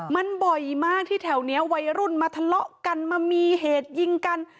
มันบ่อยมากที่แถวนี้วัยรุ่นมาทะเลาะกันมามีเหตุยิงกัน